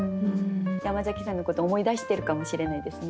山崎さんのこと思い出してるかもしれないですね。